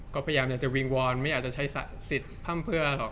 ก็พยายามอยากจะวิงวอนไม่อยากจะใช้สิทธิ์พร่ำเพื่อหรอก